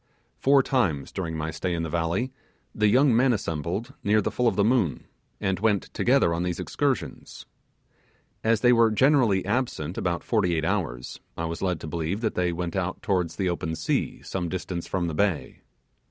Four times during my stay in the valley the young men assembled near the full of the moon, and went together on these excursions. As they were generally absent about forty eight hours, I was led to believe that they went out towards the open sea, some distance from the bay.